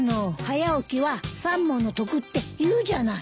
早起きは三文の徳って言うじゃない。